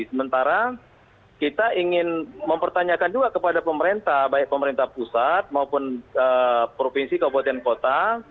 sementara kita ingin mempertanyakan juga kepada pemerintah baik pemerintah pusat maupun provinsi kabupaten kota